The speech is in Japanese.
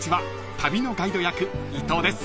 旅のガイド役伊藤です］